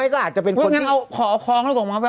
ก็อาจจะเป็นว่าอย่างงั้นขอเอาคล้องเข้ามา